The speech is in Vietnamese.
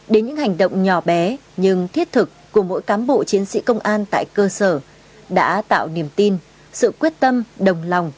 đến những hành động nhỏ bé nhưng thiết thực của mỗi cám bộ chiến sĩ công an tại cơ sở đã tạo niềm tin sự quyết tâm đồng lòng